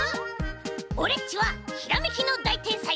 オレっちはひらめきのだいてんさい！